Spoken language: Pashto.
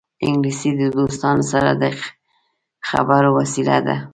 انګلیسي د دوستانو سره د خبرو وسیله ده